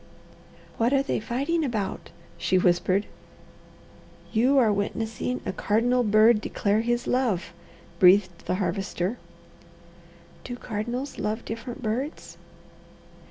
"What are they fighting about?" she whispered. "You are witnessing a cardinal bird declare his love," breathed the Harvester. "Do cardinals love different birds?"